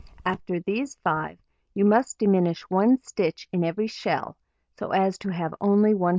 After these 5, you must diminish 1 stitch in every shell, so as to have only 192.